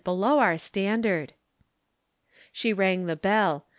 below our standard." She rang the bell.